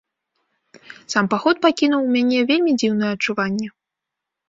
Сам паход пакінуў у мяне вельмі дзіўнае адчуванне.